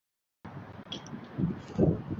科代布龙德。